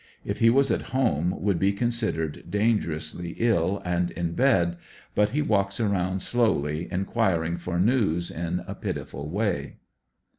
If he was at home would be considered dan gerously ill and in bed, but he walks around slowly inquiring for news in a pitiful way.